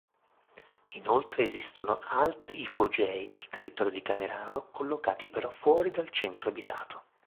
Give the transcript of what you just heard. Inoltre esistono altri ipogei nel territorio di Camerano, collocati però fuori dal centro abitato.